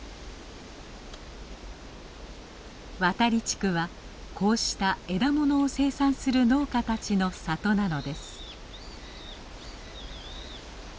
渡利地区はこうした枝ものを生産する農家たちの里なのです。